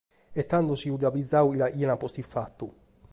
E tando si fiat abbigiadu chi l’aiat posta in fatu.